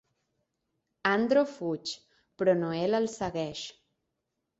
Andro fuig, però Noelle el segueix.